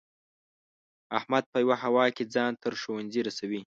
احمد په یوه هوا کې ځان تر ښوونځي رسوي.